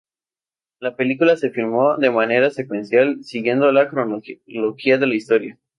La película se filmó de manera secuencial, siguiendo la cronología de la historia.